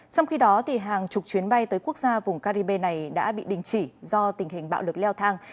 trong khi đó hàng chục chuyến bay tới quốc gia vùng caribe này đã bị đình chỉ do tình hình bạo lực leo thang